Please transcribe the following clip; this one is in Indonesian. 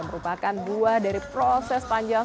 merupakan buah dari proses panjang